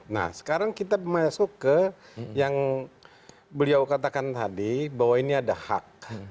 nah sekarang kita masuk ke yang beliau katakan tadi bahwa ini ada hak